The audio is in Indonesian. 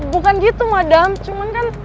bukan gitu madam cuman kan